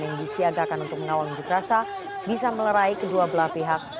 yang disiagakan untuk mengawal unjuk rasa bisa melerai kedua belah pihak